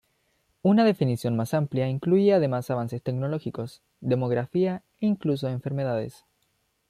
Una definición más amplia incluye además avances tecnológicos, demografía e incluso enfermedades.